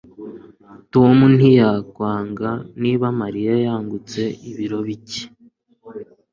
Tom ntiyakwanga niba Mariya yungutse ibiro bike